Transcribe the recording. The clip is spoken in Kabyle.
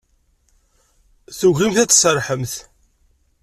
Tugimt ad tserrḥemt.